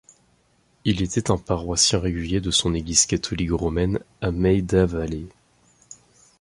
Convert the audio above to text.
Il était un paroissien régulier de son église catholique romaine à Maida Vale.